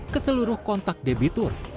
ke seluruh kontak debitur